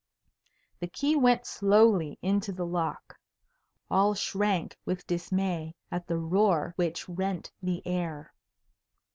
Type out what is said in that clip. The key went slowly into the lock. All shrank with dismay at the roar which rent the air.